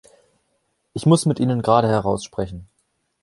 Ich muss mit Ihnen geradeheraus sprechen.